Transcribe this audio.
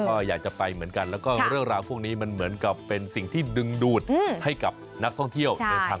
แล้วก็เรื่องราวพวกนี้มันเหมือนกับเป็นสิ่งที่ดึงดูดให้กับนักท่องเที่ยว